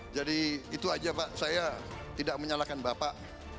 jadi itu aja pak saya tidak menyalahkan bapak